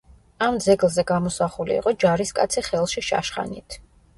ამ ძეგლზე გამოსახული იყო ჯარისკაცი ხელში შაშხანით.